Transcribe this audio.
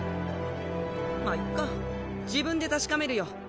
まあいっか自分で確かめるよ。